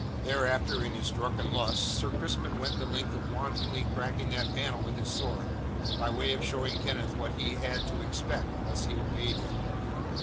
Thereafter, in his drunken lust Sir Crispin went the length of wantonly cracking that panel with his sword by way of showing Kenneth what he had to expect unless he obeyed him.